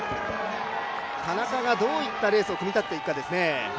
田中がどういったレースを組み立てていくかですね。